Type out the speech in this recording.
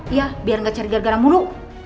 iya biar gak cari gara gara mulu